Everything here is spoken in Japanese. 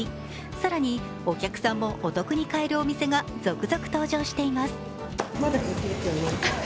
更にお客さんもお得に買えるお店が続々登場しています。